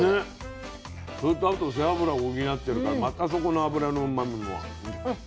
それとあと背脂を補ってるからまたそこの脂のうまみもある。